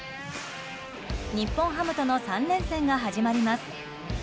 日本ハムとの３連戦が始まります。